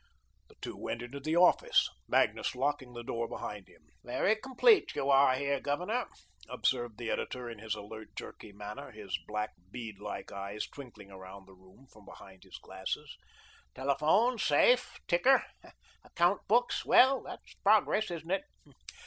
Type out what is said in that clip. The two went into the "office," Magnus locking the door behind him. "Very complete you are here, Governor," observed the editor in his alert, jerky manner, his black, bead like eyes twinkling around the room from behind his glasses. "Telephone, safe, ticker, account books well, that's progress, isn't it?